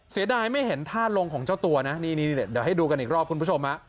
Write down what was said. เสียดายไม่เห็นท่าลงของเจ้าตัวนะนี่เดี๋ยวให้ดูกันอีกรอบคุณผู้ชม